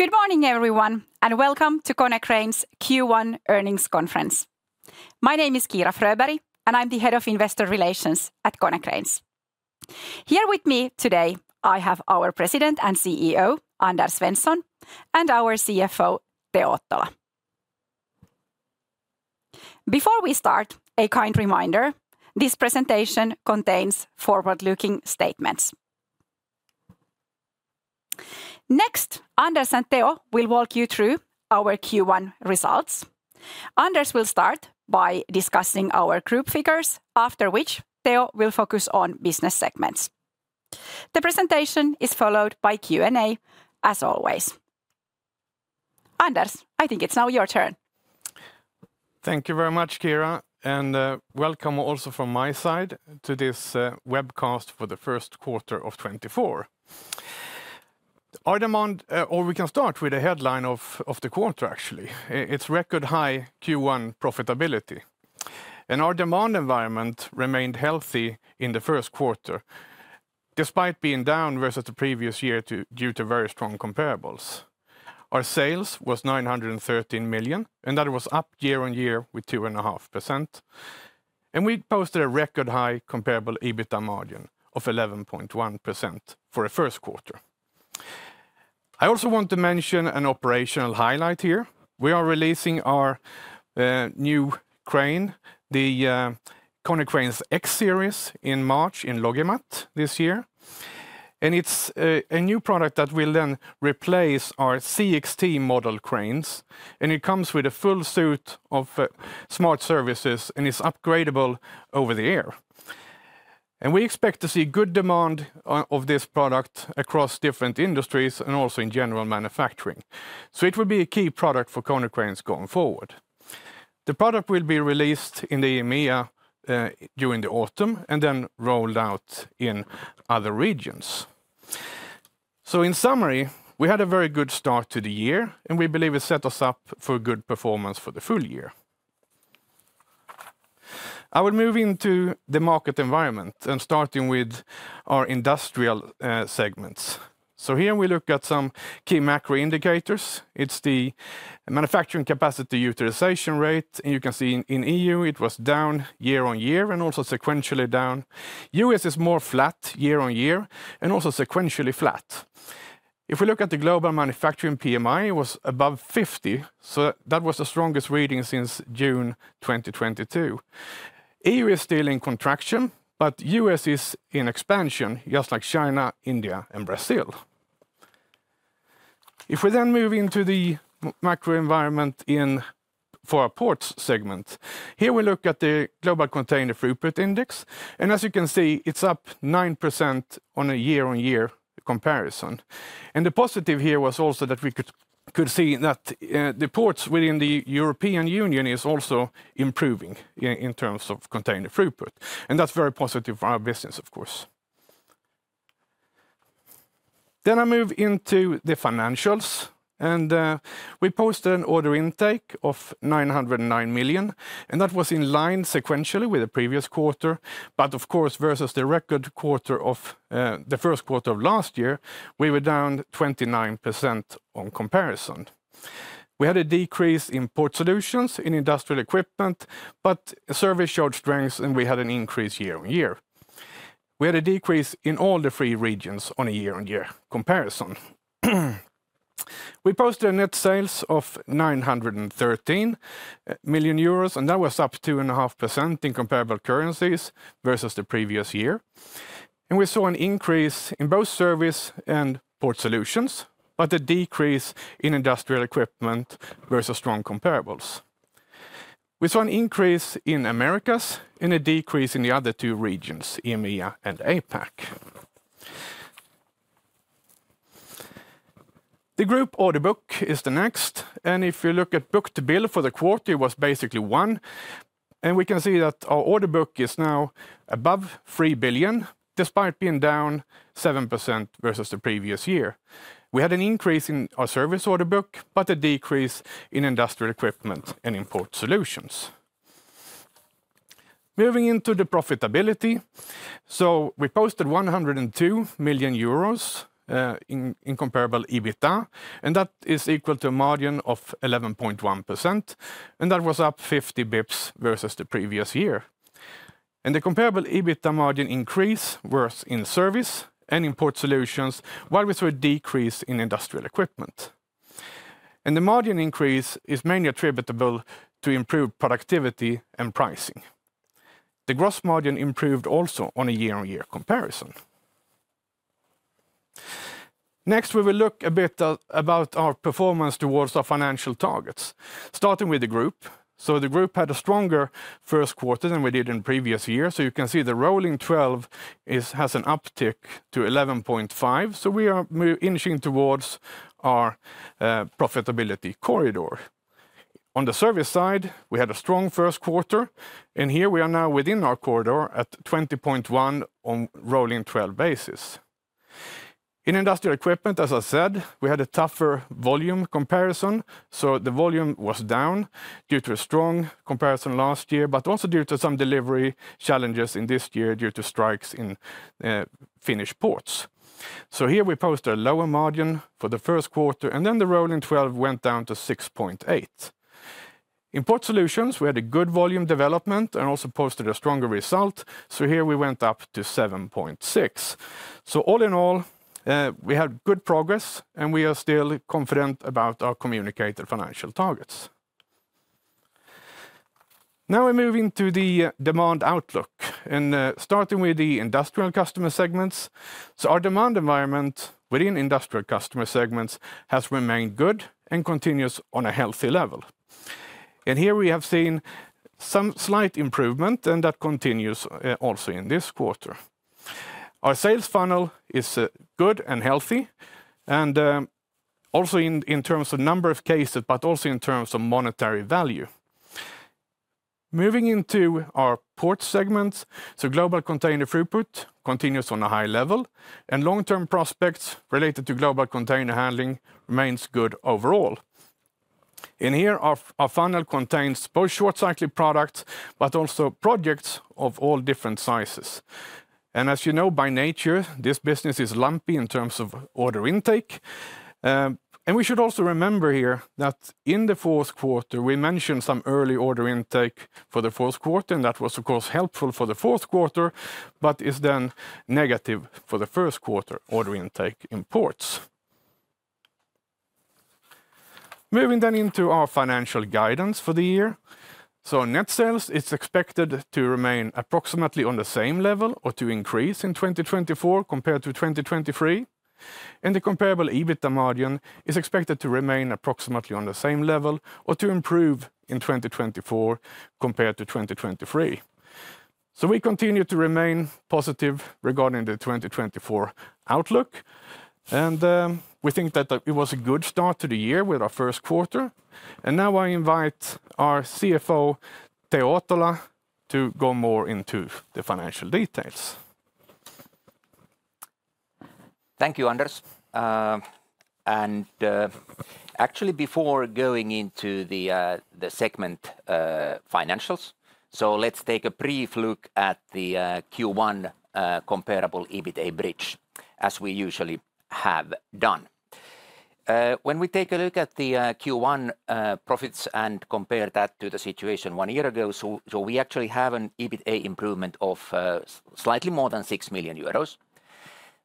Good morning everyone and welcome to Konecranes Q1 earnings conference. My name is Kiira Fröberg and I'm the Head of Investor Relations at Konecranes. Here with me today I have our President and CEO Anders Svensson and our CFO Teo Ottola. Before we start, a kind reminder, this presentation contains forward-looking statements. Next, Anders and Teo will walk you through our Q1 results. Anders will start by discussing our group figures, after which Teo will focus on business segments. The presentation is followed by Q&A, as always. Anders, I think it's now your turn. Thank you very much, Kiira. And welcome also from my side to this webcast for the first quarter of 2024. Our demand, or we can start with the headline of the quarter, actually, it's record high Q1 profitability. And our demand environment remained healthy in the first quarter, despite being down versus the previous year due to very strong comparables. Our sales were 913 million, and that was up year-over-year 2.5%. And we posted a record high comparable EBITDA margin of 11.1% for the first quarter. I also want to mention an operational highlight here. We are releasing our new crane, the Konecranes X-series, in March in LogiMAT this year. And it's a new product that will then replace our CXT model cranes. And it comes with a full suite of smart services and is upgradable over the air. We expect to see good demand of this product across different industries and also in general manufacturing. It will be a key product for Konecranes going forward. The product will be released in the EMEA during the autumn and then rolled out in other regions. In summary, we had a very good start to the year, and we believe it set us up for good performance for the full year. I will move into the market environment and starting with our industrial segments. Here we look at some key macro indicators. It's the manufacturing capacity utilization rate. You can see in the EU it was down year-over-year and also sequentially down. The U.S. is more flat year-over-year and also sequentially flat. If we look at the global manufacturing, PMI it was above 50. That was the strongest reading since June 2022. The EU is still in contraction, but the U.S. is in expansion, just like China, India, and Brazil. If we then move into the macro environment for our Ports segment, here we look at the global Container Throughput Index. And as you can see, it's up 9% on a year-on-year comparison. And the positive here was also that we could see that the ports within the European Union are also improving in terms of container throughput. And that's very positive for our business, of course. Then I move into the financials. And we posted an order intake of 909 million. And that was in line sequentially with the previous quarter. But of course, versus the record quarter of the first quarter of last year, we were down 29% on comparison. We had a decrease in Port Solutions, in Industrial Equipment, but Service showed strength, and we had an increase year-on-year. We had a decrease in all the three regions on a year-on-year comparison. We posted a net sales of 913 million euros. That was up 2.5% in comparable currencies versus the previous year. We saw an increase in both Service and Port Solutions, but a decrease in Industrial Equipment versus strong comparables. We saw an increase in Americas and a decrease in the other two regions, EMEA and APAC. The group order book is the next. If you look at book-to-bill for the quarter, it was basically one. We can see that our order book is now above 3 billion, despite being down 7% versus the previous year. We had an increase in our Service order book, but a decrease in Industrial Equipment and in Port solutions. Moving into the profitability. We posted 102 million euros in comparable EBITDA. That is equal to a margin of 11.1%. That was up 50 basis points versus the previous year. The comparable EBITDA margin increase was in Service and in Port solutions, while we saw a decrease in Industrial Equipment. The margin increase is mainly attributable to improved productivity and pricing. The gross margin improved also on a year-on-year comparison. Next, we will look a bit about our performance towards our financial targets, starting with the group. The group had a stronger first quarter than we did in previous years. You can see the rolling 12 has an uptick to 11.5%. We are inching towards our profitability corridor. On the Service side, we had a strong first quarter. Here we are now within our corridor at 20.1% on a rolling 12 basis. In Industrial Equipment, as I said, we had a tougher volume comparison. The volume was down due to a strong comparison last year, but also due to some delivery challenges in this year due to strikes in Finnish ports. Here we posted a lower margin for the first quarter, and then the rolling 12 went down to 6.8%. In Port Solutions, we had a good volume development and also posted a stronger result. Here we went up to 7.6%. All in all, we had good progress, and we are still confident about our communicated financial targets. Now we move into the demand outlook. Starting with the industrial customer segments. Our demand environment within industrial customer segments has remained good and continues on a healthy level. Here we have seen some slight improvement, and that continues also in this quarter. Our sales funnel is good and healthy, and also in terms of number of cases, but also in terms of monetary value. Moving into our Port segments. Global container throughput continues on a high level. Long-term prospects related to global container handling remain good overall. Here our funnel contains both short-cycled products but also projects of all different sizes. As you know, by nature, this business is lumpy in terms of order intake. We should also remember here that in the fourth quarter, we mentioned some early order intake for the fourth quarter. That was, of course, helpful for the fourth quarter but is then negative for the first quarter order intake in Ports. Moving then into our financial guidance for the year. Net sales, it's expected to remain approximately on the same level or to increase in 2024 compared to 2023. The comparable EBITDA margin is expected to remain approximately on the same level or to improve in 2024 compared to 2023. We continue to remain positive regarding the 2024 outlook. We think that it was a good start to the year with our first quarter. Now I invite our CFO, Teo Ottola, to go more into the financial details. Thank you, Anders. Actually, before going into the segment financials, let's take a brief look at the Q1 comparable EBITDA bridge, as we usually have done. When we take a look at the Q1 profits and compare that to the situation one year ago, we actually have an EBITDA improvement of slightly more than 6 million euros.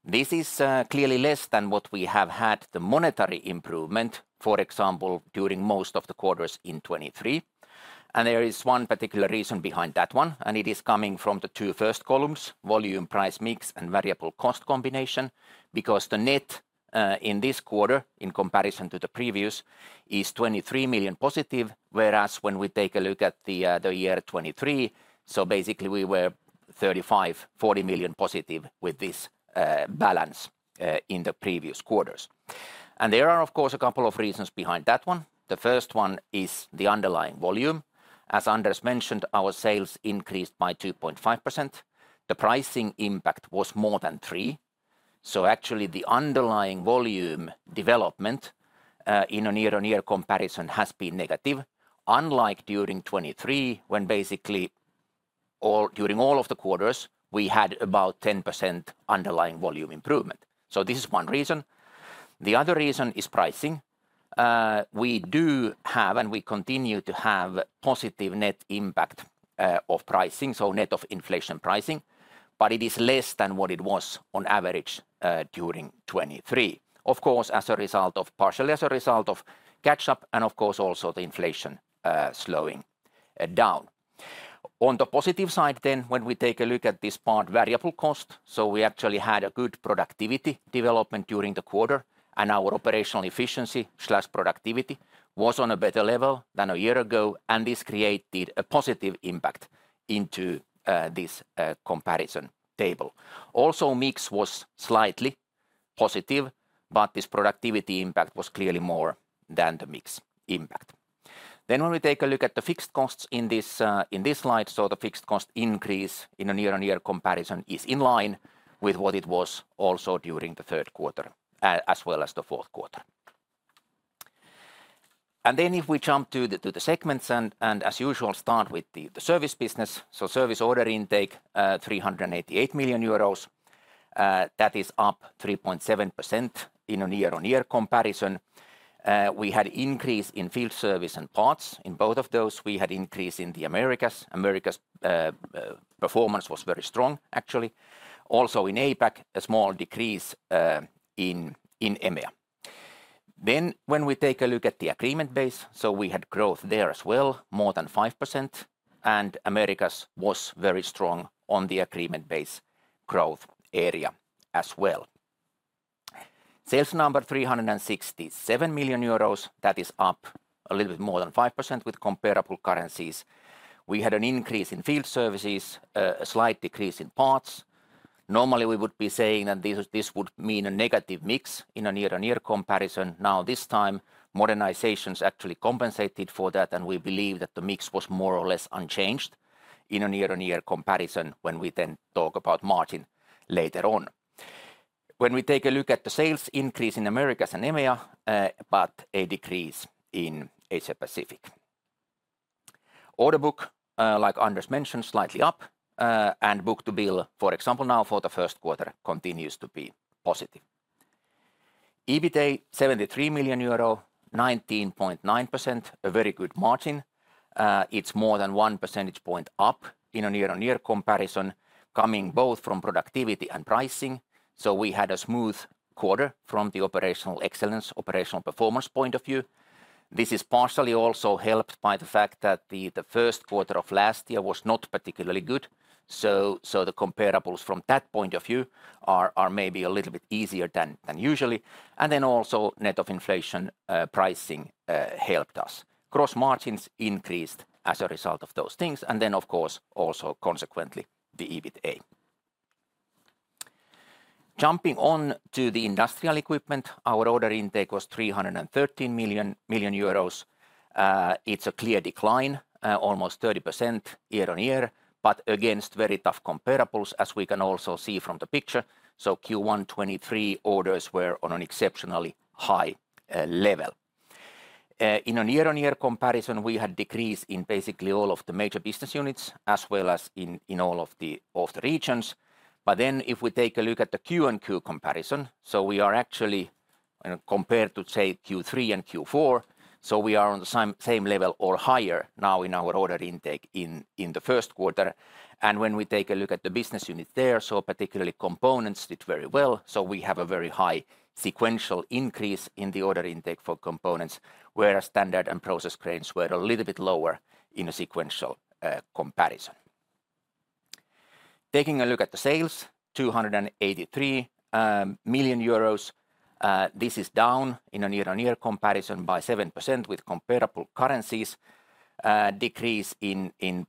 This is clearly less than what we have had the monetary improvement, for example, during most of the quarters in 2023. There is one particular reason behind that one. It is coming from the two first columns, volume, price mix, and variable cost combination, because the net in this quarter, in comparison to the previous, is 23 million positive, whereas when we take a look at the year 2023, basically we were 35 million-40 million positive with this balance in the previous quarters. There are, of course, a couple of reasons behind that one. The first one is the underlying volume. As Anders mentioned, our sales increased by 2.5%. The pricing impact was more than 3%. Actually, the underlying volume development in a year-on-year comparison has been negative, unlike during 2023, when basically during all of the quarters we had about 10% underlying volume improvement. This is one reason. The other reason is pricing. We do have and we continue to have positive net impact of pricing, so net of inflation pricing, but it is less than what it was on average during 2023, of course, as a result of partially as a result of catch-up and, of course, also the inflation slowing down. On the positive side then, when we take a look at this part, variable cost, so we actually had a good productivity development during the quarter. Our operational efficiency/productivity was on a better level than a year ago. This created a positive impact into this comparison table. Also, mix was slightly positive, but this productivity impact was clearly more than the mix impact. When we take a look at the fixed costs in this slide, so the fixed cost increase in a year-on-year comparison is in line with what it was also during the third quarter as well as the fourth quarter. If we jump to the segments and, as usual, start with the service business. So Service order intake, 388 million euros. That is up 3.7% in a year-on-year comparison. We had an increase in field service and parts in both of those. We had an increase in the Americas. Americas performance was very strong, actually. Also in APAC, a small decrease in EMEA. Then when we take a look at the agreement base, so we had growth there as well, more than 5%. And Americas was very strong on the agreement base growth area as well. Sales number, 367 million euros. That is up a little bit more than 5% with comparable currencies. We had an increase in field services, a slight decrease in parts. Normally, we would be saying that this would mean a negative mix in a year-on-year comparison. Now this time, modernizations actually compensated for that. And we believe that the mix was more or less unchanged in a year-on-year comparison when we then talk about margin later on. When we take a look at the sales increase in Americas and EMEA, but a decrease in Asia-Pacific. Order book, like Anders mentioned, slightly up. And book-to-bill, for example, now for the first quarter continues to be positive. EBITDA, 73 million euro, 19.9%, a very good margin. It's more than one percentage point up in a year-on-year comparison, coming both from productivity and pricing. So we had a smooth quarter from the operational excellence, operational performance point of view. This is partially also helped by the fact that the first quarter of last year was not particularly good. So the comparables from that point of view are maybe a little bit easier than usually. And then also net of inflation pricing helped us. Gross margins increased as a result of those things. And then, of course, also consequently, the EBITDA. Jumping on to the Industrial Equipment, our order intake was 313 million euros. It's a clear decline, almost 30% year-on-year, but against very tough comparables, as we can also see from the picture. So Q1 2023, orders were on an exceptionally high level. In a year-on-year comparison, we had a decrease in basically all of the major business units as well as in all of the regions. But then if we take a look at the Q and Q comparison, so we are actually compared to, say, Q3 and Q4, so we are on the same level or higher now in our order intake in the first quarter. And when we take a look at the business unit there, so particularly components, did very well. So we have a very high sequential increase in the order intake for components, whereas standard and process cranes were a little bit lower in a sequential comparison. Taking a look at the sales, 283 million euros. This is down in a year-on-year comparison by 7% with comparable currencies. Decrease in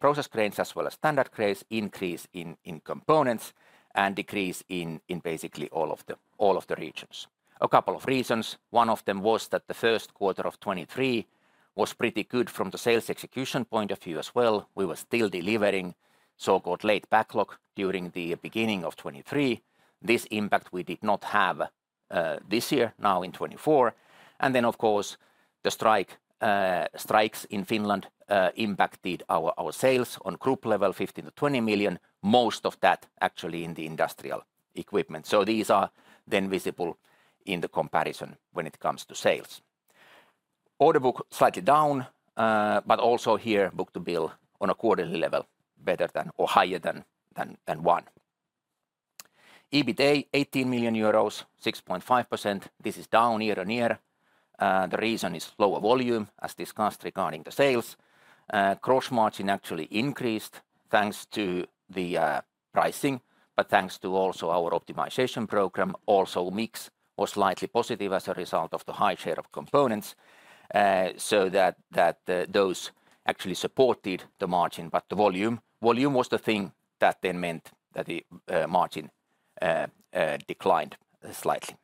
process cranes as well as standard cranes, increase in components, and decrease in basically all of the regions. A couple of reasons. One of them was that the first quarter of 2023 was pretty good from the sales execution point of view as well. We were still delivering so-called late backlog during the beginning of 2023. This impact we did not have this year, now in 2024. And then, of course, the strikes in Finland impacted our sales on group level, 15 million-20 million, most of that actually in the Industrial Equipment. So these are then visible in the comparison when it comes to sales. Order book slightly down, but also here, book-to-bill on a quarterly level better than or higher than one. EBITDA, 18 million euros, 6.5%. This is down year-on-year. The reason is lower volume, as discussed regarding the sales. Gross margin actually increased thanks to the pricing, but thanks to also our optimization program. Also, mix was slightly positive as a result of the high share of components, so that those actually supported the margin, but the volume. Volume was the thing that then meant that the margin declined slightly.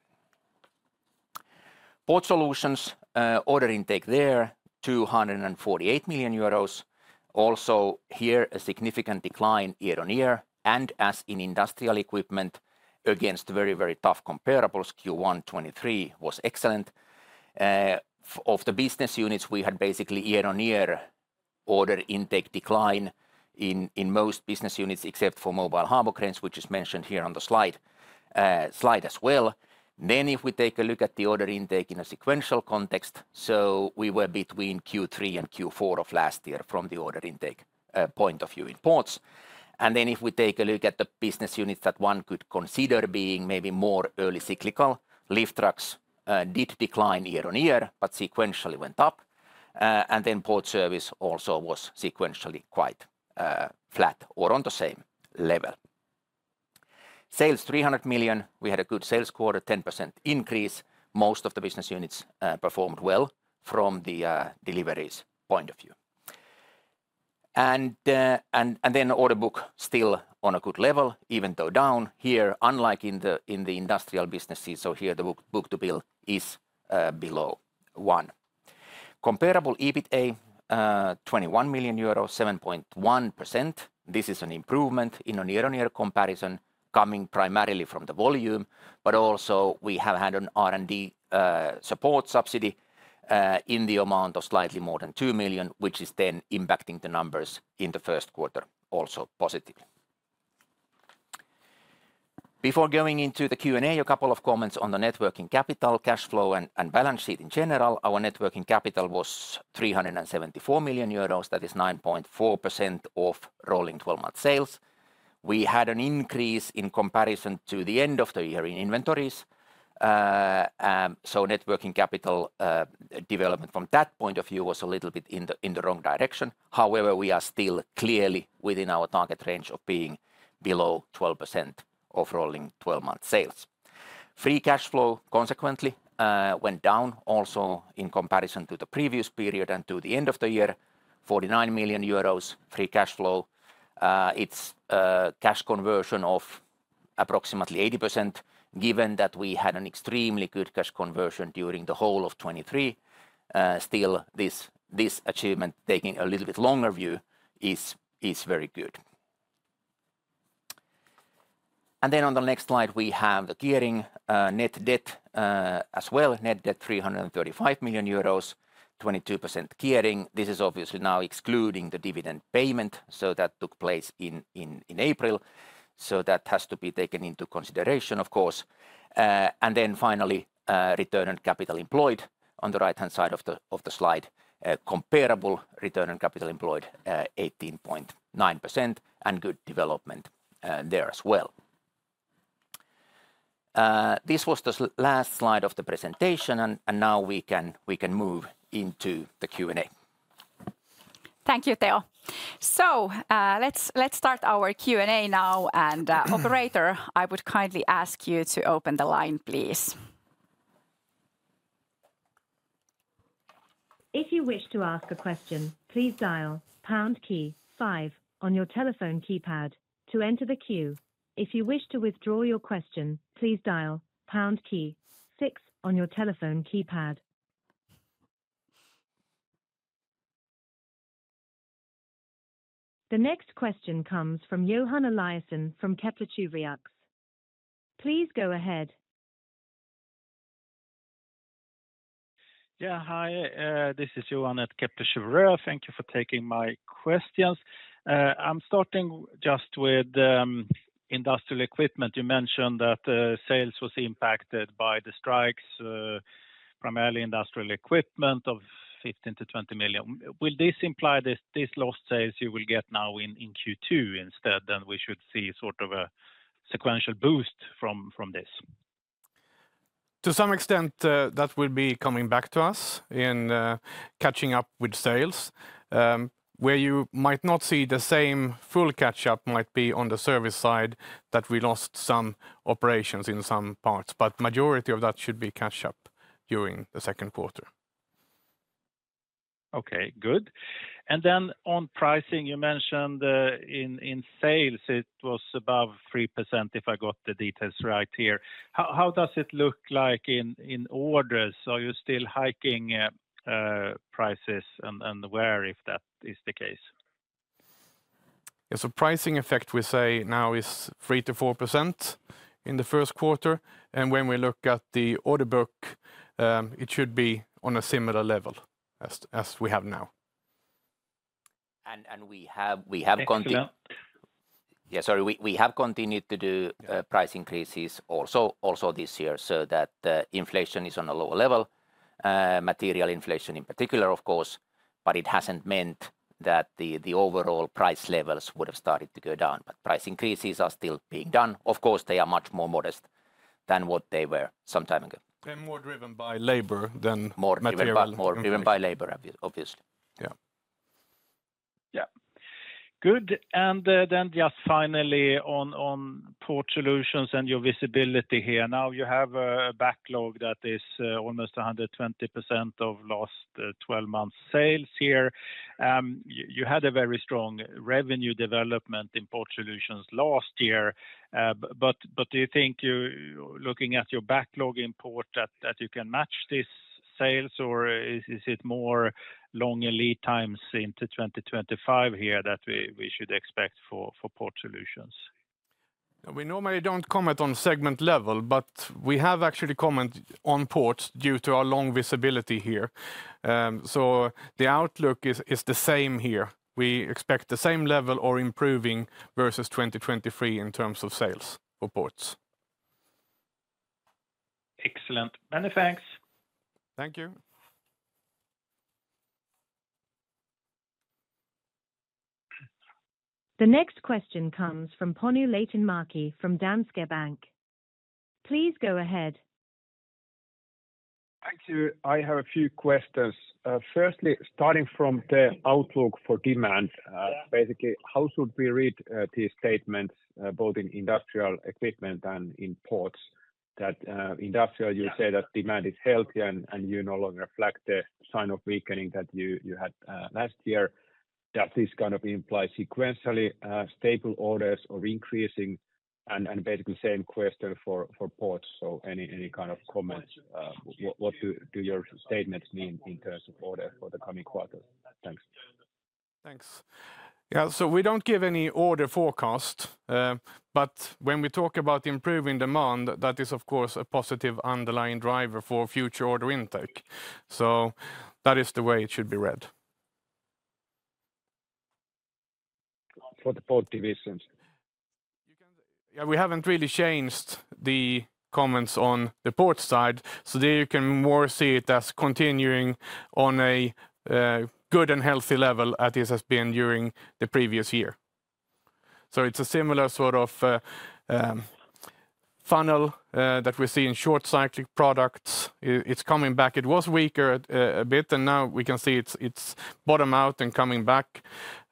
Port Solutions, order intake there, 248 million euros. Also here, a significant decline year-on-year. And as in Industrial Equipment, against very, very tough comparables, Q1 2023 was excellent. Of the business units, we had basically year-on-year order intake decline in most business units except for mobile harbor cranes, which is mentioned here on the slide as well. Then if we take a look at the order intake in a sequential context, so we were between Q3 and Q4 of last year from the order intake point of view in ports. And then if we take a look at the business units that one could consider being maybe more early cyclical, lift trucks did decline year-on-year, but sequentially went up. And then Port Service also was sequentially quite flat or on the same level. Sales, 300 million. We had a good sales quarter, 10% increase. Most of the business units performed well from the deliveries point of view. And then order book still on a good level, even though down. Here, unlike in the industrial businesses, so here the book-to-bill is below one. Comparable EBITDA, 21 million euros, 7.1%. This is an improvement in a year-on-year comparison, coming primarily from the volume. But also we have had an R&D support subsidy in the amount of slightly more than 2 million, which is then impacting the numbers in the first quarter also positively. Before going into the Q&A, a couple of comments on the net working capital, cash flow, and balance sheet in general. Our net working capital was 374 million euros. That is 9.4% of rolling 12-month sales. We had an increase in comparison to the end of the year in inventories. Net working capital development from that point of view was a little bit in the wrong direction. However, we are still clearly within our target range of being below 12% of rolling 12-month sales. Free cash flow consequently went down also in comparison to the previous period and to the end of the year. 49 million euros free cash flow. It's cash conversion of approximately 80%, given that we had an extremely good cash conversion during the whole of 2023. Still, this achievement, taking a little bit longer view, is very good. And then on the next slide, we have the gearing, net debt as well. Net debt, 335 million euros, 22% gearing. This is obviously now excluding the dividend payment. So that took place in April. So that has to be taken into consideration, of course. And then finally, return on capital employed on the right-hand side of the slide. Comparable return on capital employed, 18.9%, and good development there as well. This was the last slide of the presentation. And now we can move into the Q&A. Thank you, Teo. Let's start our Q&A now. Operator, I would kindly ask you to open the line, please. If you wish to ask a question, please dial pound key five on your telephone keypad to enter the queue. If you wish to withdraw your question, please dial pound key six on your telephone keypad. The next question comes from Johan Eliasson from Kepler Cheuvreux. Please go ahead. Yeah, hi. This is Johan at Kepler Cheuvreux. Thank you for taking my questions. I'm starting just with Industrial Equipment. You mentioned that sales were impacted by the strikes, primarily Industrial Equipment of 15 million-20 million. Will this imply that these lost sales you will get now in Q2 instead, and we should see sort of a sequential boost from this? To some extent, that will be coming back to us in catching up with sales. Where you might not see the same full catch-up might be on the Service side that we lost some operations in some parts. But majority of that should be catch-up during the second quarter. Okay, good. And then on pricing, you mentioned in sales it was above 3% if I got the details right here. How does it look like in orders? Are you still hiking prices and where if that is the case? Yeah, so pricing effect, we say now is 3%-4% in the first quarter. And when we look at the order book, it should be on a similar level as we have now. We have continued. Thank you, John. Yeah, sorry, we have continued to do price increases also this year so that inflation is on a lower level. Material inflation in particular, of course. But it hasn't meant that the overall price levels would have started to go down. But price increases are still being done. Of course, they are much more modest than what they were some time ago. More driven by labor than material. More driven by labor, obviously. Yeah. Yeah, good. And then just finally on Port Solutions and your visibility here. Now you have a backlog that is almost 120% of last 12-month sales here. You had a very strong revenue development in Port Solutions last year. But do you think, looking at your backlog in Port, that you can match these sales? Or is it more longer lead times into 2025 here that we should expect for Port Solutions? We normally don't comment on segment level, but we have actually commented on Ports due to our long visibility here. So the outlook is the same here. We expect the same level or improving versus 2023 in terms of sales for Ports. Excellent. Many thanks. Thank you. The next question comes from Panu Laitinmäki from Danske Bank. Please go ahead. Thank you. I have a few questions. First, starting from the outlook for demand, basically, how should we read these statements both in Industrial Equipment and in Ports? That industrial, you say that demand is healthy and you no longer reflect the sign of weakening that you had last year. Does this kind of imply sequentially stable orders or increasing? And basically, same question for Ports. So any kind of comments? What do your statements mean in terms of order for the coming quarters? Thanks. Thanks. Yeah, so we don't give any order forecast. But when we talk about improving demand, that is, of course, a positive underlying driver for future order intake. So that is the way it should be read. For the both divisions? Yeah, we haven't really changed the comments on the port side. So there you can more see it as continuing on a good and healthy level as it has been during the previous year. So it's a similar sort of funnel that we see in short-cyclic products. It's coming back. It was weaker a bit, and now we can see it's bottom out and coming back.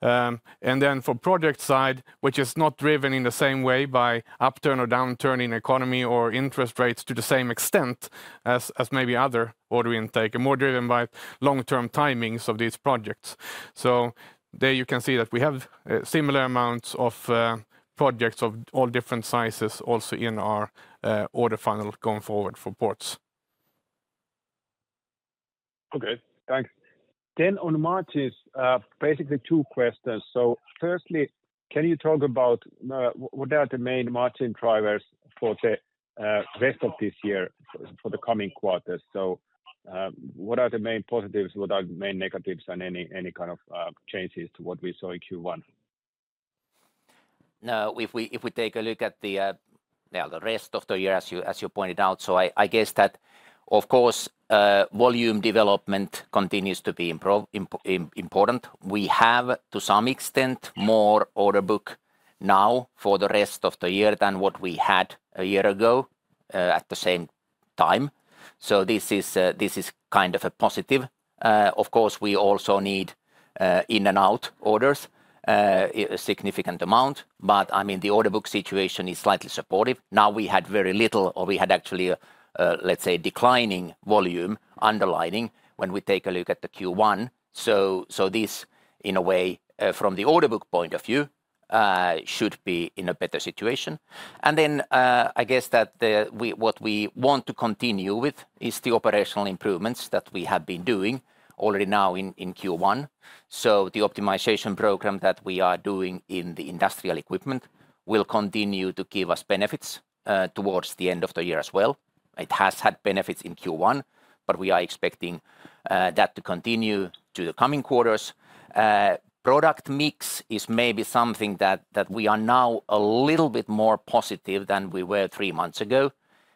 And then for project side, which is not driven in the same way by upturn or downturn in economy or interest rates to the same extent as maybe other order intake, more driven by long-term timings of these projects. So there you can see that we have similar amounts of projects of all different sizes also in our order funnel going forward for ports. Okay, thanks. Then on margins, basically two questions. So firstly, can you talk about what are the main margin drivers for the rest of this year, for the coming quarters? So what are the main positives? What are the main negatives? And any kind of changes to what we saw in Q1? Now, if we take a look at the rest of the year, as you pointed out, so I guess that, of course, volume development continues to be important. We have, to some extent, more order book now for the rest of the year than what we had a year ago at the same time. So this is kind of a positive. Of course, we also need in-and-out orders, a significant amount. But I mean, the order book situation is slightly supportive. Now we had very little or we had actually, let's say, declining volume underlining when we take a look at the Q1. So this, in a way, from the order book point of view, should be in a better situation. And then I guess that what we want to continue with is the operational improvements that we have been doing already now in Q1. So the optimization program that we are doing in the Industrial Equipment will continue to give us benefits towards the end of the year as well. It has had benefits in Q1, but we are expecting that to continue through the coming quarters. Product mix is maybe something that we are now a little bit more positive than we were three months ago.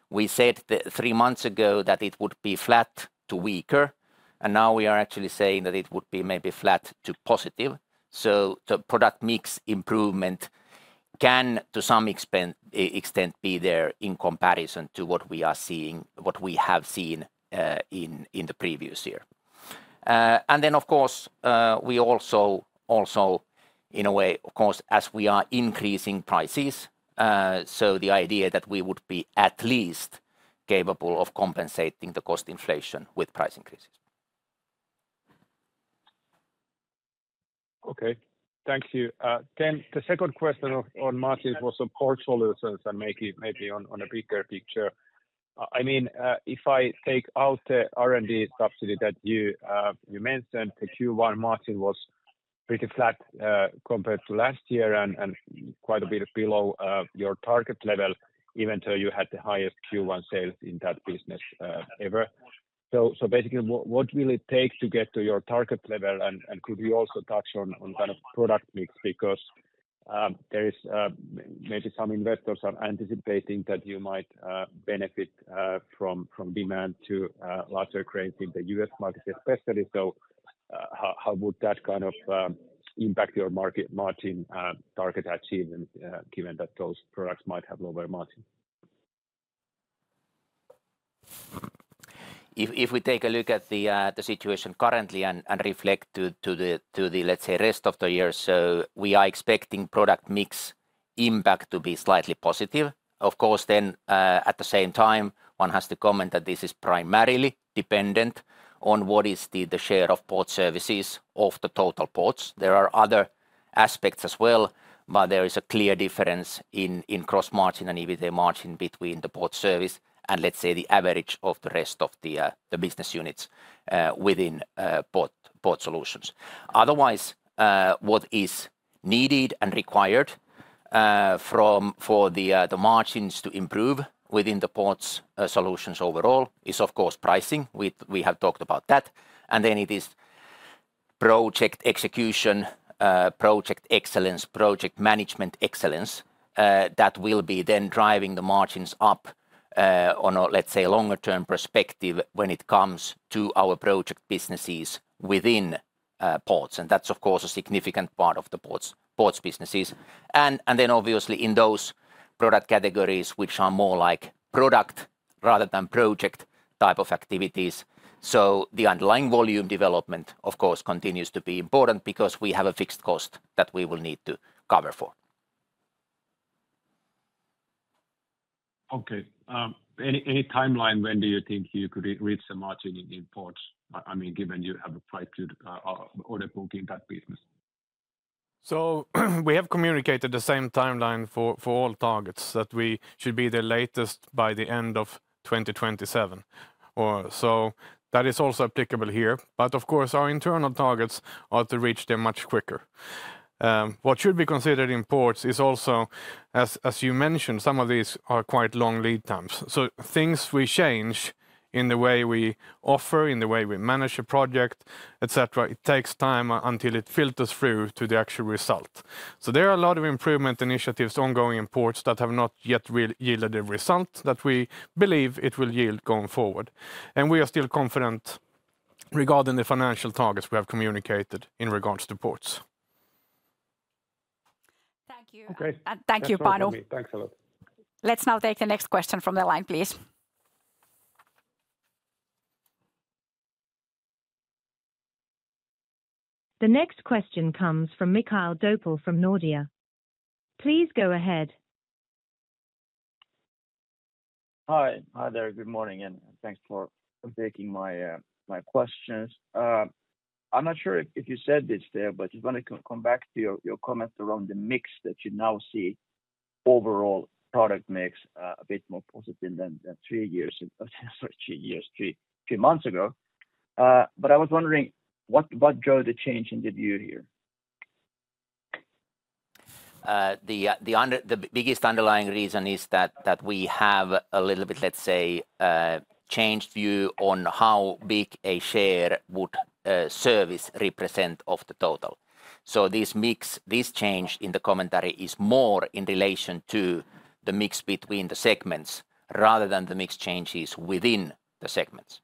We said three months ago that it would be flat to weaker. And now we are actually saying that it would be maybe flat to positive. So the product mix improvement can, to some extent, be there in comparison to what we are seeing, what we have seen in the previous year. And then, of course, we also, in a way, of course, as we are increasing prices. So the idea that we would be at least capable of compensating the cost inflation with price increases. Okay, thank you. Then the second question on margins was on Port Solutions and maybe on a bigger picture. I mean, if I take out the R&D subsidy that you mentioned, the Q1 margin was pretty flat compared to last year and quite a bit below your target level, even though you had the highest Q1 sales in that business ever. So basically, what will it take to get to your target level? And could you also touch on kind of product mix? Because maybe some investors are anticipating that you might benefit from demand to larger cranes in the U.S. market, especially. So how would that kind of impact your margin target achievement, given that those products might have lower margin? If we take a look at the situation currently and reflect on the, let's say, rest of the year, so we are expecting product mix impact to be slightly positive. Of course, then at the same time, one has to comment that this is primarily dependent on what is the share of Port Services of the total ports. There are other aspects as well, but there is a clear difference in gross margin and EBITDA margin between the Port Services and, let's say, the average of the rest of the business units within Port Solutions. Otherwise, what is needed and required for the margins to improve within the Port Solutions overall is, of course, pricing. We have talked about that. It is project execution, project excellence, project management excellence that will be then driving the margins up on a, let's say, longer-term perspective when it comes to our project businesses within ports. That's, of course, a significant part of the ports businesses. Obviously, in those product categories, which are more like product rather than project type of activities. The underlying volume development, of course, continues to be important because we have a fixed cost that we will need to cover for. Okay. Any timeline when do you think you could reach the margin in Ports? I mean, given you have a priced order book in that business. So we have communicated the same timeline for all targets, that we should be there latest by the end of 2027. So that is also applicable here. But of course, our internal targets are to reach them much quicker. What should be considered in ports is also, as you mentioned, some of these are quite long lead times. So things we change in the way we offer, in the way we manage a project, etc., it takes time until it filters through to the actual result. So there are a lot of improvement initiatives ongoing in ports that have not yet yielded a result that we believe it will yield going forward. And we are still confident regarding the financial targets we have communicated in regards to ports. Thank you. Okay. Thank you, Panu. Thanks a lot. Let's now take the next question from the line, please. The next question comes from Mikael Doepel from Nordea. Please go ahead. Hi. Hi there. Good morning. And thanks for taking my questions. I'm not sure if you said this there, but I just want to come back to your comment around the mix that you now see, overall product mix, a bit more positive than three years ago. Sorry, three years, three months ago. But I was wondering, what drove the change in the view here? The biggest underlying reason is that we have a little bit, let's say, changed view on how big a share would service represent of the total. So this change in the commentary is more in relation to the mix between the segments rather than the mix changes within the segments.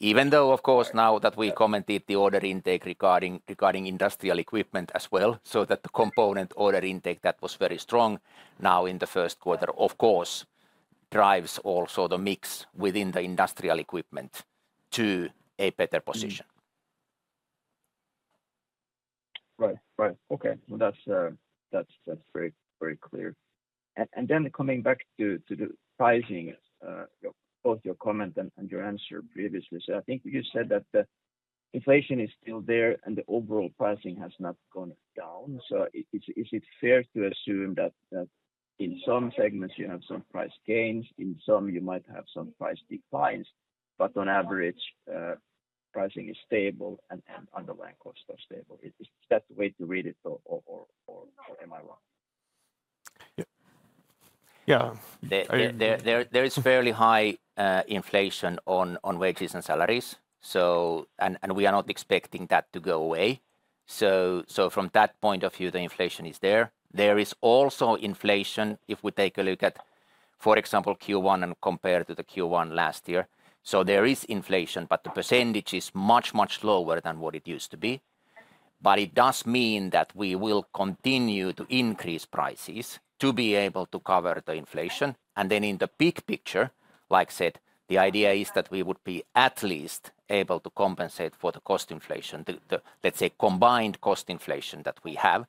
Even though, of course, now that we commented the order intake regarding Industrial Equipment as well, so that the component order intake that was very strong now in the first quarter, of course, drives also the mix within the Industrial Equipment to a better position. Right, right. Okay. Well, that's very clear. And then coming back to the pricing, both your comment and your answer previously, so I think you said that the inflation is still there and the overall pricing has not gone down. So is it fair to assume that in some segments you have some price gains, in some you might have some price declines, but on average, pricing is stable and underlying costs are stable? Is that the way to read it, or am I wrong? Yeah. Yeah. There is fairly high inflation on wages and salaries, and we are not expecting that to go away. So from that point of view, the inflation is there. There is also inflation if we take a look at, for example, Q1 and compare to the Q1 last year. So there is inflation, but the percentage is much, much lower than what it used to be. But it does mean that we will continue to increase prices to be able to cover the inflation. And then in the big picture, like I said, the idea is that we would be at least able to compensate for the cost inflation, let's say, combined cost inflation that we have.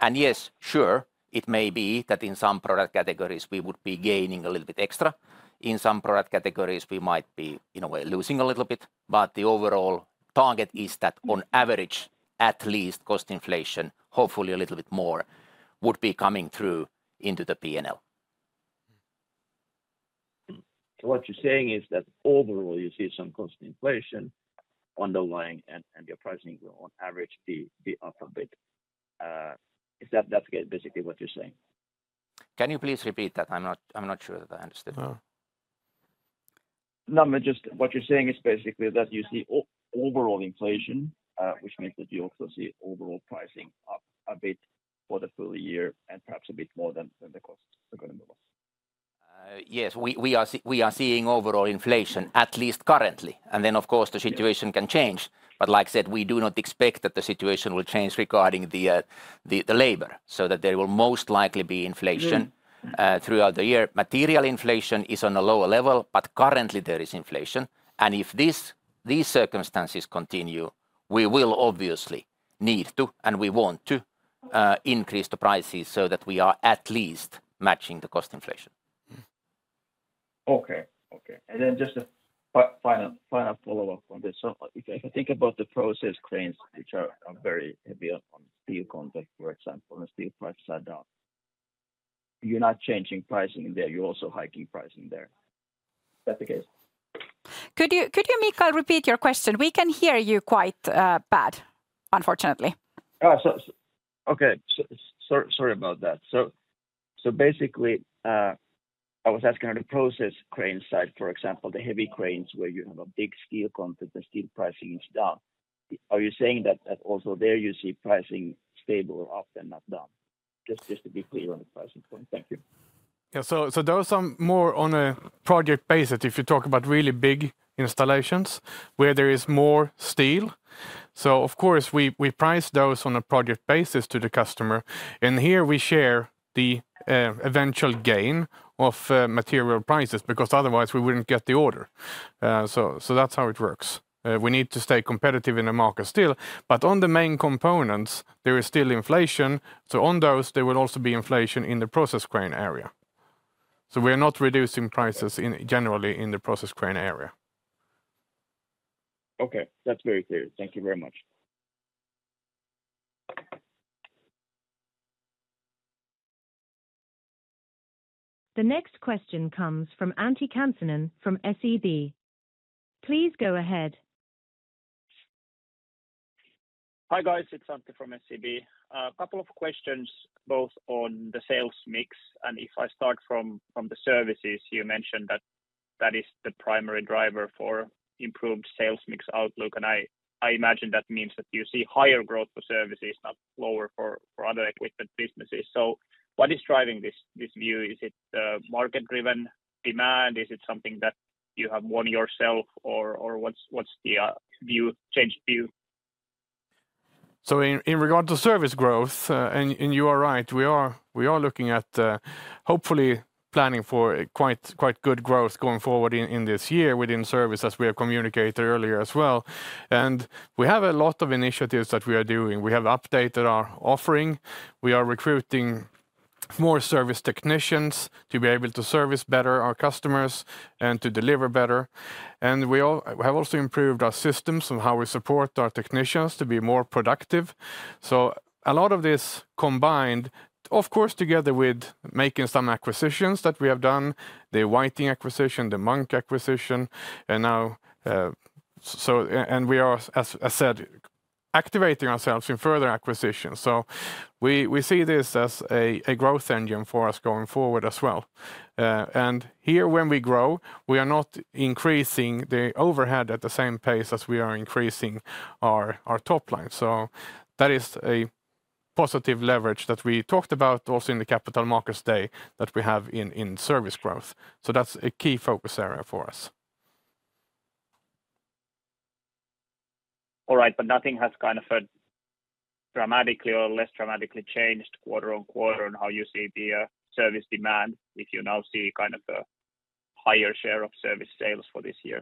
And yes, sure, it may be that in some product categories we would be gaining a little bit extra. In some product categories, we might be, in a way, losing a little bit. The overall target is that on average, at least cost inflation, hopefully a little bit more, would be coming through into the P&L. What you're saying is that overall you see some cost inflation underlying and your pricing will, on average, be up a bit. Is that basically what you're saying? Can you please repeat that? I'm not sure that I understood. No, just what you're saying is basically that you see overall inflation, which means that you also see overall pricing up a bit for the full year and perhaps a bit more than the costs are going to move us. Yes, we are seeing overall inflation, at least currently. And then, of course, the situation can change. But like I said, we do not expect that the situation will change regarding the labor. So that there will most likely be inflation throughout the year. Material inflation is on a lower level, but currently there is inflation. And if these circumstances continue, we will obviously need to and we want to increase the prices so that we are at least matching the cost inflation. Okay, okay. And then just a final follow-up on this. So if I think about the process cranes, which are very heavy on steel content, for example, and steel prices are down. You're not changing pricing there. You're also hiking pricing there. Is that the case? Could you, Mikael, repeat your question? We can hear you quite bad, unfortunately. Okay. Sorry about that. So basically, I was asking on the process crane side, for example, the heavy cranes where you have a big steel content and steel pricing is down. Are you saying that also there you see pricing stable or up and not down? Just to be clear on the pricing point. Thank you. Yeah. So those are more on a project basis. If you talk about really big installations where there is more steel. So of course, we price those on a project basis to the customer. And here we share the eventual gain of material prices because otherwise we wouldn't get the order. So that's how it works. We need to stay competitive in the market still. But on the main components, there is still inflation. So on those, there will also be inflation in the process crane area. So we are not reducing prices generally in the process crane area. Okay. That's very clear. Thank you very much. The next question comes from Antti Kansanen from SEB. Please go ahead. Hi guys. It's Antti from SEB. A couple of questions both on the sales mix and if I start from the Services, you mentioned that that is the primary driver for improved sales mix outlook. And I imagine that means that you see higher growth for Services, not lower for other equipment businesses. So what is driving this view? Is it market-driven demand? Is it something that you have won yourself or what's the changed view? So in regard to Service growth, and you are right, we are looking at hopefully planning for quite good growth going forward in this year within Service, as we have communicated earlier as well. And we have a lot of initiatives that we are doing. We have updated our offering. We are recruiting more service technicians to be able to service better our customers and to deliver better. And we have also improved our systems and how we support our technicians to be more productive. So a lot of this combined, of course, together with making some acquisitions that we have done, the Whiting acquisition, the Munck acquisition. And we are, as I said, activating ourselves in further acquisitions. So we see this as a growth engine for us going forward as well. Here when we grow, we are not increasing the overhead at the same pace as we are increasing our top line. That is a positive leverage that we talked about also in the capital markets day that we have in Service growth. That's a key focus area for us. All right. But nothing has kind of dramatically or less dramatically changed quarter on quarter on how you see the service demand if you now see kind of a higher share of service sales for this year?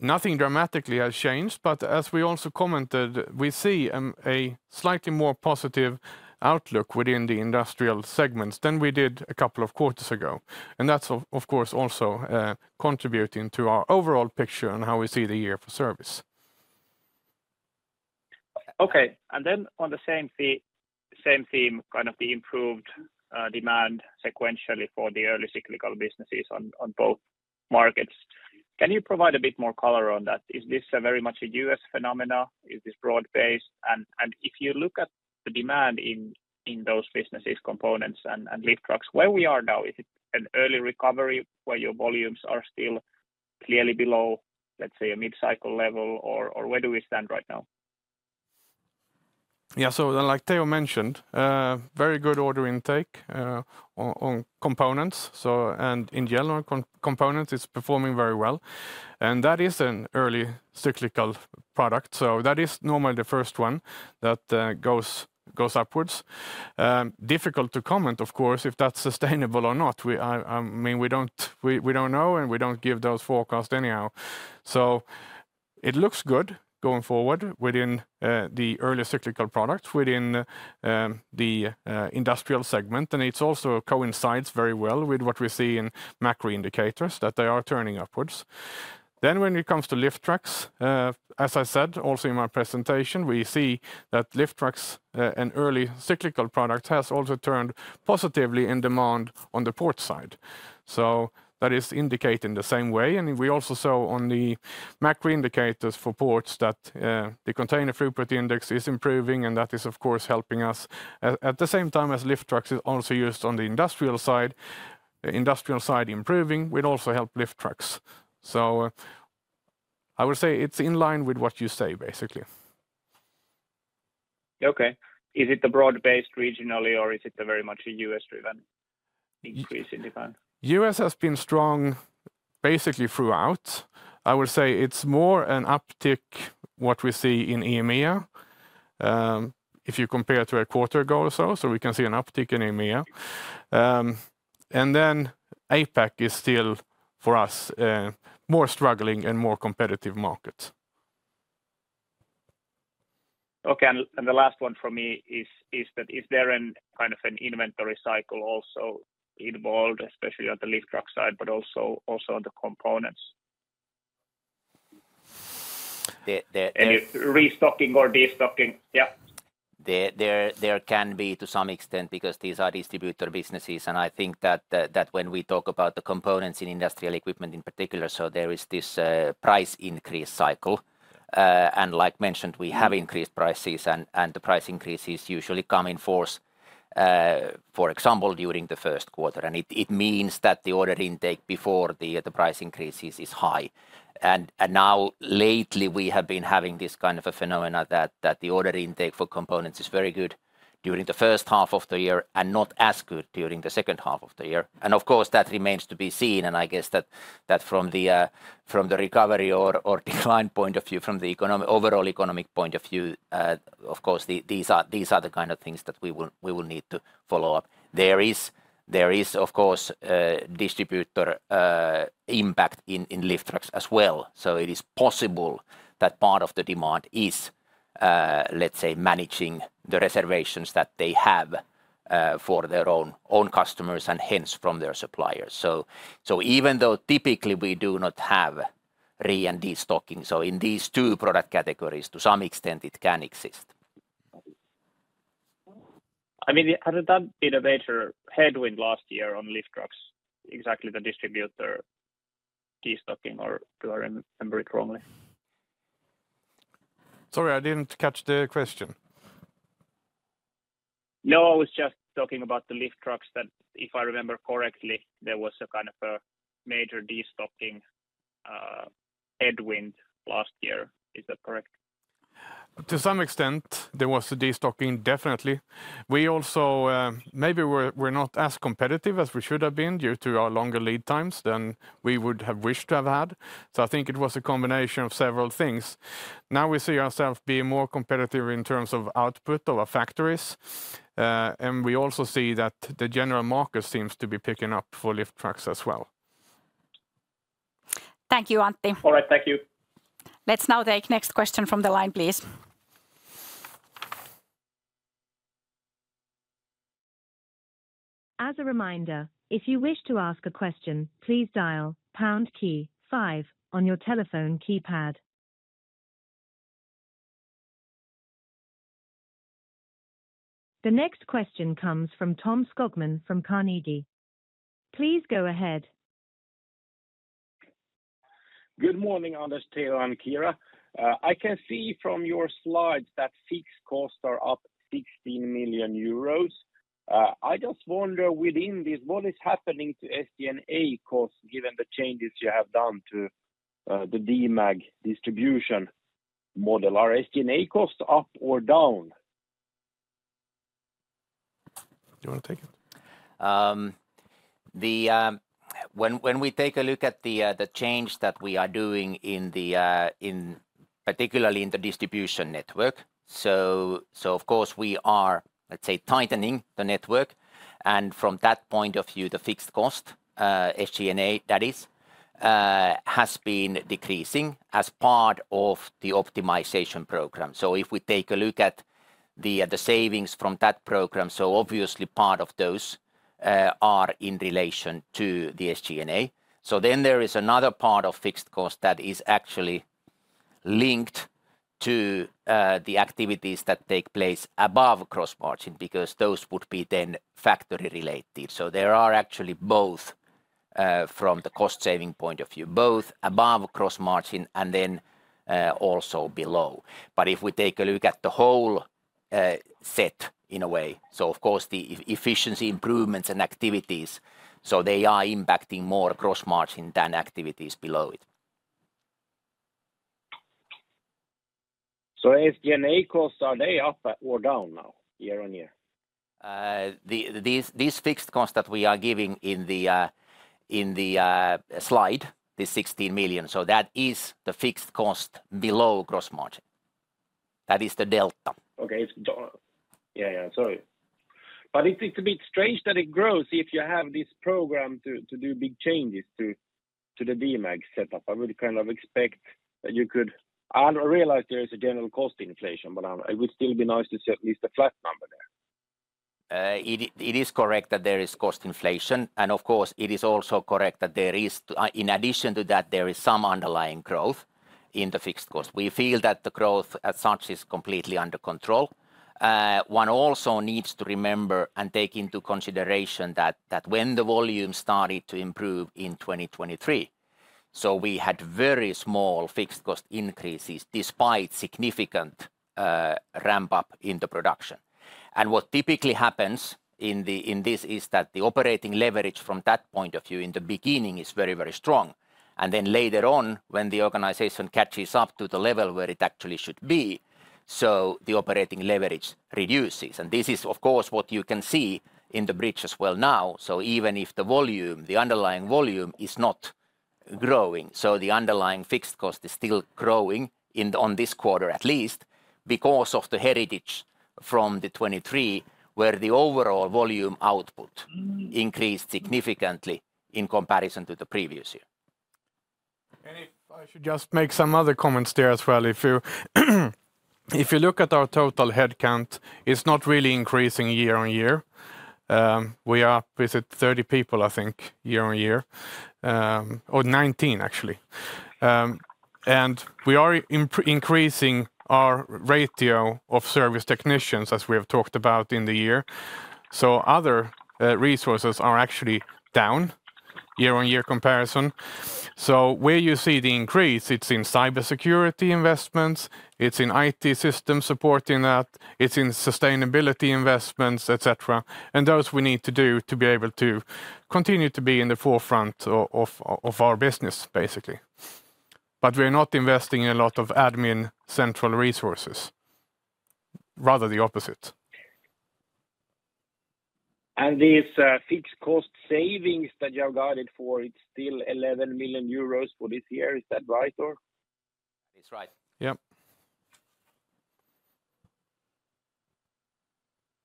Nothing dramatically has changed. But as we also commented, we see a slightly more positive outlook within the industrial segments than we did a couple of quarters ago. And that's, of course, also contributing to our overall picture and how we see the year for service. Okay. And then on the same theme, kind of the improved demand sequentially for the early cyclical businesses on both markets. Can you provide a bit more color on that? Is this very much a U.S. phenomenon? Is this broad-based? And if you look at the demand in those businesses, components and lift trucks, where we are now, is it an early recovery where your volumes are still clearly below, let's say, a mid-cycle level or where do we stand right now? Yeah. So like Teo mentioned, very good order intake on components. And in general, components are performing very well. And that is an early cyclical product. So that is normally the first one that goes upwards. Difficult to comment, of course, if that's sustainable or not. I mean, we don't know and we don't give those forecasts anyhow. So it looks good going forward within the early cyclical products within the industrial segment. And it also coincides very well with what we see in macro indicators, that they are turning upwards. Then when it comes to lift trucks, as I said, also in my presentation, we see that lift trucks, an early cyclical product, has also turned positively in demand on the Port side. So that is indicated in the same way. We also saw on the macro indicators for ports that the container throughput index is improving and that is, of course, helping us. At the same time as lift trucks are also used on the industrial side, the industrial side improving would also help lift trucks. I would say it's in line with what you say, basically. Okay. Is it the broad-based regionally or is it very much a U.S.-driven increase in demand? U.S. has been strong basically throughout. I would say it's more an uptick what we see in EMEA if you compare to a quarter ago or so. So we can see an uptick in EMEA. And then APAC is still, for us, a more struggling and more competitive market. Okay. And the last one for me is that is there kind of an inventory cycle also involved, especially on the lift truck side, but also on the components? And restocking or destocking? Yeah. There can be, to some extent, because these are distributor businesses. And I think that when we talk about the components in Industrial Equipment in particular, so there is this price increase cycle. And, like mentioned, we have increased prices and the price increases usually come in force, for example, during the first quarter. And it means that the order intake before the price increases is high. And now lately we have been having this kind of a phenomena that the order intake for components is very good during the first half of the year and not as good during the second half of the year. And of course, that remains to be seen. And I guess that from the recovery or decline point of view, from the overall economic point of view, of course, these are the kind of things that we will need to follow up. There is, of course, distributor impact in lift trucks as well. So it is possible that part of the demand is, let's say, managing the reservations that they have for their own customers and hence from their suppliers. So even though typically we do not have re and destocking, so in these two product categories, to some extent, it can exist. I mean, hadn't that been a major headwind last year on lift trucks, exactly the distributor destocking, or do I remember it wrongly? Sorry, I didn't catch the question. No, I was just talking about the lift trucks that if I remember correctly, there was a kind of a major destocking headwind last year. Is that correct? To some extent, there was a destocking, definitely. Maybe we're not as competitive as we should have been due to our longer lead times than we would have wished to have had. So I think it was a combination of several things. Now we see ourselves being more competitive in terms of output of our factories. And we also see that the general market seems to be picking up for lift trucks as well. Thank you, Antti. All right. Thank you. Let's now take the next question from the line, please. As a reminder, if you wish to ask a question, please dial pound key five on your telephone keypad. The next question comes from Tom Skogman from Carnegie. Please go ahead. Good morning, Anders, Teo, and Kiira. I can see from your slides that fixed costs are up 16 million euros. I just wonder within this, what is happening to SG&A costs given the changes you have done to the Demag distribution model? Are SG&A costs up or down? Do you want to take it? When we take a look at the change that we are doing, particularly in the distribution network, so of course we are, let's say, tightening the network. And from that point of view, the fixed cost, SG&A that is, has been decreasing as part of the optimization program. So if we take a look at the savings from that program, so obviously part of those are in relation to the SG&A. So then there is another part of fixed cost that is actually linked to the activities that take place above gross margin because those would be then factory-related. So there are actually both from the cost-saving point of view, both above gross margin and then also below. But if we take a look at the whole set in a way, so of course the efficiency improvements and activities, so they are impacting more gross margin than activities below it. SG&A costs, are they up or down now year on year? These fixed costs that we are giving in the slide, the 16 million, so that is the fixed cost below gross margin. That is the delta. Okay. Yeah, yeah. Sorry. But it's a bit strange that it grows if you have this program to do big changes to the Demag setup. I would kind of expect that you could, I realize there is a general cost inflation, but it would still be nice to see at least a flat number there. It is correct that there is cost inflation. Of course, it is also correct that in addition to that, there is some underlying growth in the fixed cost. We feel that the growth as such is completely under control. One also needs to remember and take into consideration that when the volume started to improve in 2023, so we had very small fixed cost increases despite significant ramp-up in the production. What typically happens in this is that the operating leverage from that point of view in the beginning is very, very strong. Then later on, when the organization catches up to the level where it actually should be, so the operating leverage reduces. This is, of course, what you can see in the bridge as well now. Even if the volume, the underlying volume is not growing, so the underlying fixed cost is still growing on this quarter at least because of the heritage from the 2023 where the overall volume output increased significantly in comparison to the previous year. And if I should just make some other comments there as well. If you look at our total headcount, it's not really increasing year-on-year. We are up, is it 30 people, I think, year-on-year? Or 19, actually. And we are increasing our ratio of service technicians as we have talked about in the year. So other resources are actually down year-on-year comparison. So where you see the increase, it's in cybersecurity investments, it's in IT system support in that, it's in sustainability investments, etc. And those we need to do to be able to continue to be in the forefront of our business, basically. But we are not investing in a lot of admin central resources. Rather the opposite. These fixed cost savings that you are guided for, it's still 11 million euros for this year. Is that right, or? That is right. Yep.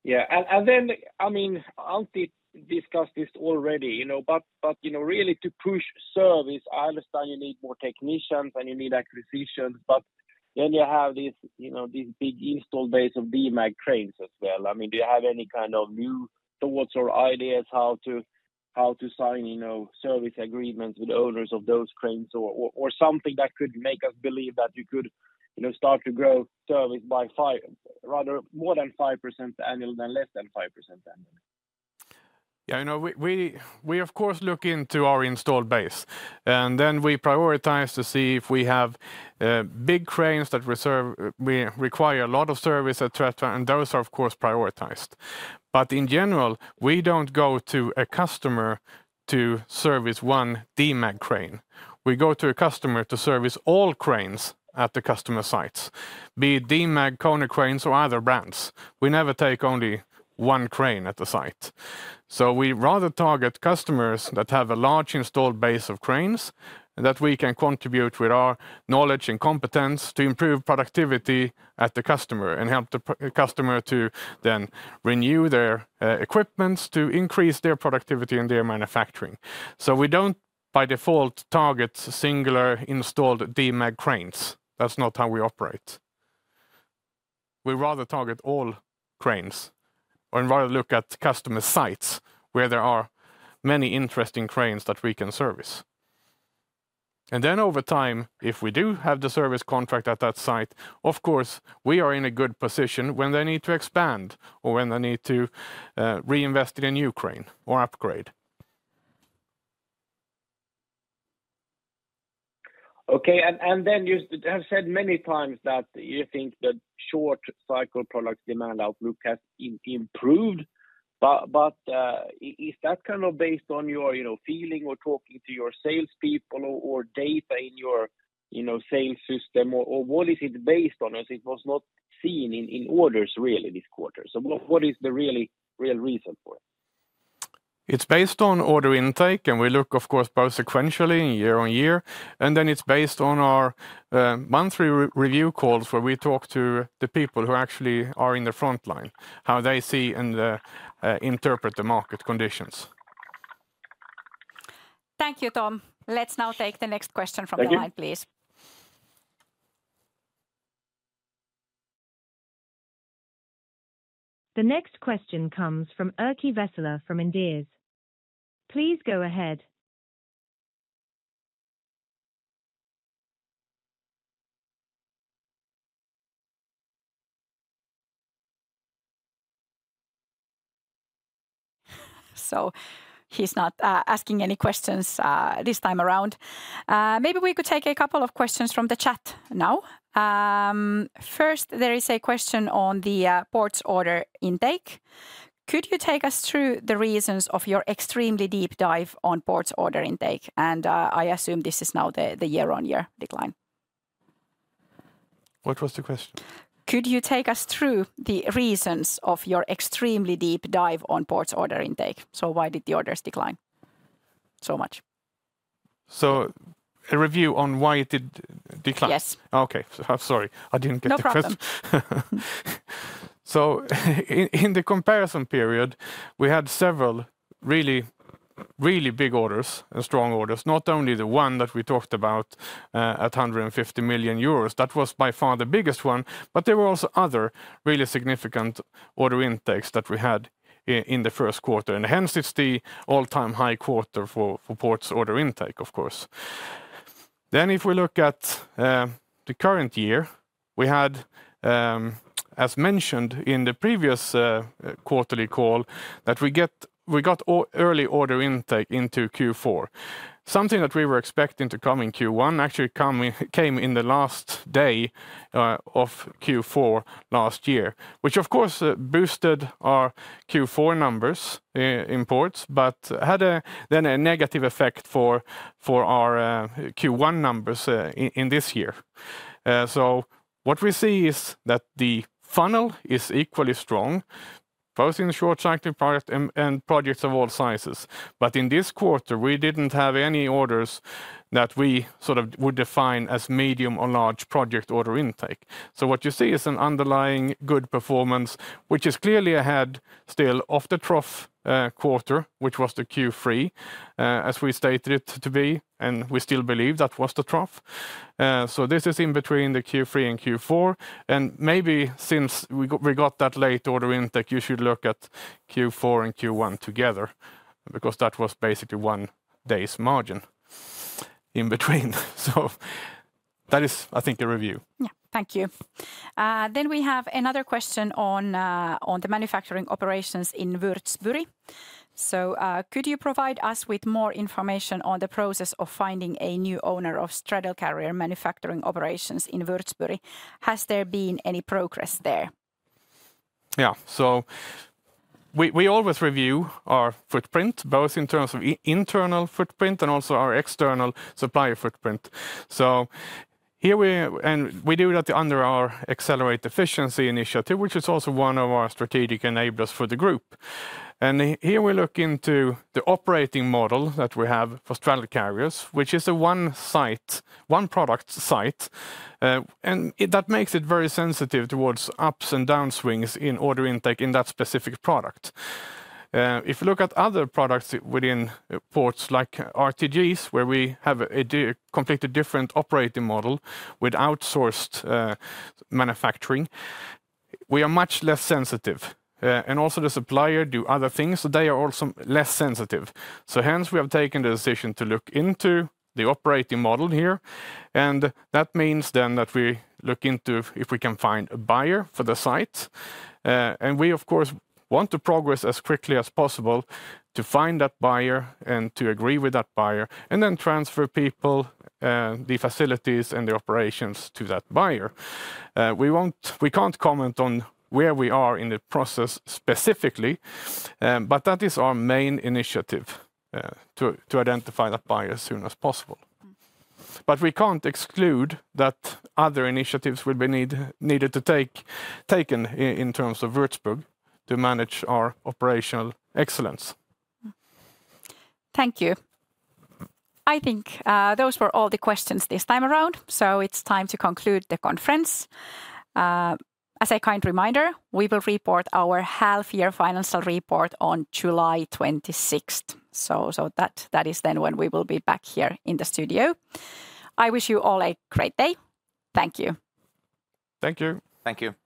Yeah. And then, I mean, Antti discussed this already. But really to push Service, I understand you need more technicians and you need acquisitions. But then you have this big install base of Demag cranes as well. I mean, do you have any kind of new thoughts or ideas how to sign service agreements with owners of those cranes or something that could make us believe that you could start to grow Service by rather more than 5% annually than less than 5% annually? Yeah. We, of course, look into our installed base. Then we prioritize to see if we have big cranes that require a lot of service. That, and those are, of course, prioritized. But in general, we don't go to a customer to service one Demag crane. We go to a customer to service all cranes at the customer sites, be it Demag, Konecranes, or other brands. We never take only one crane at the site. So we rather target customers that have a large installed base of cranes that we can contribute with our knowledge and competence to improve productivity at the customer and help the customer to then renew their equipment, to increase their productivity in their manufacturing. So we don't, by default, target singular installed Demag cranes. That's not how we operate. We rather target all cranes and rather look at customer sites where there are many interesting cranes that we can service. Then over time, if we do have the service contract at that site, of course, we are in a good position when they need to expand or when they need to reinvest in a new crane or upgrade. Okay. Then you have said many times that you think that short-cycle products demand outlook has improved. Is that kind of based on your feeling or talking to your salespeople or data in your sales system? Or what is it based on? It was not seen in orders really this quarter. What is the really real reason for it? It's based on order intake. We look, of course, both sequentially year on year. Then it's based on our monthly review calls where we talk to the people who actually are in the frontline, how they see and interpret the market conditions. Thank you, Tom. Let's now take the next question from the line, please. The next question comes from Erkki Vesola from Inderes. Please go ahead. So he's not asking any questions this time around. Maybe we could take a couple of questions from the chat now. First, there is a question on the ports order intake. Could you take us through the reasons of your extremely deep dive on ports order intake? And I assume this is now the year-on-year decline. What was the question? Could you take us through the reasons of your extremely deep dive on ports order intake? So why did the orders decline so much? A review on why it did decline? Yes. Okay. Sorry. I didn't get the question. No problem. So in the comparison period, we had several really, really big orders and strong orders. Not only the one that we talked about at 150 million euros. That was by far the biggest one. But there were also other really significant order intakes that we had in the first quarter. And hence it's the all-time high quarter for ports order intake, of course. Then if we look at the current year, we had, as mentioned in the previous quarterly call, that we got early order intake into Q4. Something that we were expecting to come in Q1 actually came in the last day of Q4 last year, which of course boosted our Q4 numbers in ports but had then a negative effect for our Q1 numbers in this year. So what we see is that the funnel is equally strong both in the short-cycling product and projects of all sizes. But in this quarter, we didn't have any orders that we sort of would define as medium or large project order intake. So what you see is an underlying good performance, which is clearly ahead still of the trough quarter, which was the Q3 as we stated it to be. And we still believe that was the trough. So this is in between the Q3 and Q4. And maybe since we got that late order intake, you should look at Q4 and Q1 together because that was basically one day's margin in between. So that is, I think, a review. Yeah. Thank you. Then we have another question on the manufacturing operations in Würzburg. So could you provide us with more information on the process of finding a new owner of straddle carrier manufacturing operations in Würzburg? Has there been any progress there? Yeah. So we always review our footprint both in terms of internal footprint and also our external supplier footprint. We do that under our accelerate efficiency initiative, which is also one of our strategic enablers for the group. Here we look into the operating model that we have for straddle carriers, which is a one-site, one-product site. That makes it very sensitive towards ups and downswings in order intake in that specific product. If you look at other products within ports like RTGs where we have a completely different operating model with outsourced manufacturing, we are much less sensitive. Also the supplier do other things. So they are also less sensitive. Hence we have taken the decision to look into the operating model here. That means then that we look into if we can find a buyer for the site. We, of course, want to progress as quickly as possible to find that buyer and to agree with that buyer and then transfer people, the facilities, and the operations to that buyer. We can't comment on where we are in the process specifically. That is our main initiative to identify that buyer as soon as possible. We can't exclude that other initiatives will be needed to be taken in terms of Würzburg to manage our operational excellence. Thank you. I think those were all the questions this time around. So it's time to conclude the conference. As a kind reminder, we will report our half-year financial report on July 26th. So that is then when we will be back here in the studio. I wish you all a great day. Thank you. Thank you. Thank you.